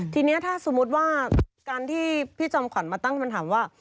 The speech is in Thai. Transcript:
ทีนี้ถ้าสมมุติว่าการที่พี่จอมขวัญมาตั้งคำถามว่า